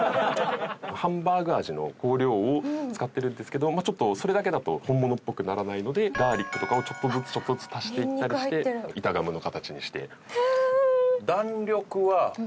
ハンバーグ味の香料を使ってるんですけどちょっとそれだけだと本物っぽくならないのでガーリックとかをちょっとずつちょっとずつ足していったりして板ガムの形にして。